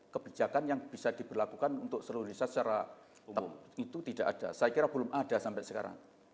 kebijakan yang bisa diberlakukan untuk seluruh indonesia secara umum itu tidak ada saya kira belum ada sampai sekarang